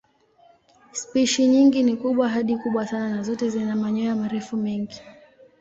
Spishi nyingi ni kubwa hadi kubwa sana na zote zina manyoya marefu mengi.